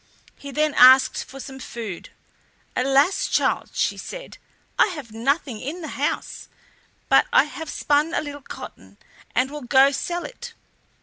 He then asked for some food. "Alas! child," she said, "I have nothing in the house, but I have spun a little cotton and will go sell it."